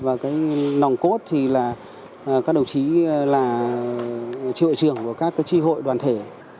và nòng cốt thì các đồng chí là tri hội trưởng của các tri hội đoàn thể